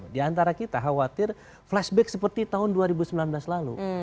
di antara kita khawatir flashback seperti tahun dua ribu sembilan belas lalu